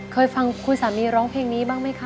เคยฟังคุณสามีร้องเพลงนี้บ้างไหมคะ